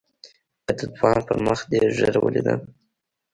که د ځوان پر مخ دې ږيره وليده.